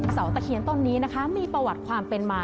ตะเคียนต้นนี้นะคะมีประวัติความเป็นมา